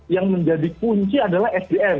yang menjadi kunci adalah sdm